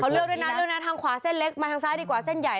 เลือกด้วยนะเลือกนะทางขวาเส้นเล็กมาทางซ้ายดีกว่าเส้นใหญ่